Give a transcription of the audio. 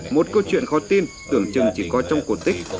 một câu chuyện khó tin tưởng chừng chỉ có trong cổ tích